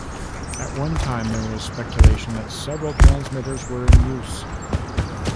At one time there was speculation that several transmitters were in use.